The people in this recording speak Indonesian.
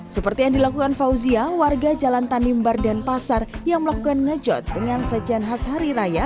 seperti yang dilakukan fauzia warga jalan tanimbar dan pasar yang melakukan ngejot dengan sejen khas hari raya